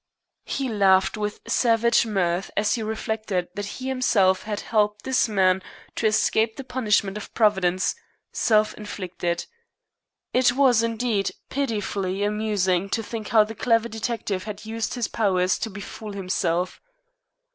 He laughed with savage mirth as he reflected that he himself had helped this man to escape the punishment of Providence, self inflicted. It was, indeed, pitifully amusing to think how the clever detective had used his powers to befool himself.